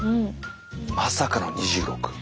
まさかの２６。